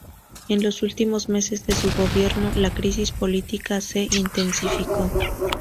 En los últimos meses de su gobierno, la crisis política se intensificó.